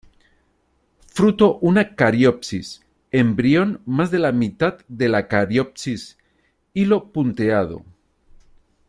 Fruto una cariopsis; embrión más de la mitad de la cariopsis; hilo punteado.